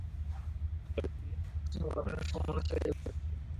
তবে সিরিয়ার সরকারের সঙ্গে কোনো ধরনের সমন্বয় ছাড়াই চলছে সেই হামলা।